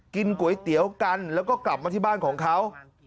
กินก๋วยเตี๋ยวกันแล้วก็กลับมาที่บ้านของเขา